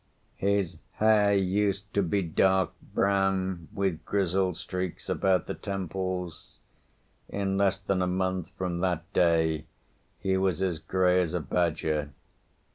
His hair used to be dark brown, with grizzled streaks about the temples; in less than a month from that day he was as grey as a badger.